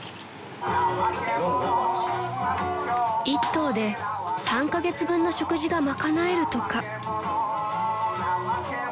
［１頭で３カ月分の食事が賄えるとか］